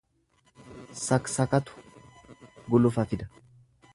Saksakatu gulufa fida.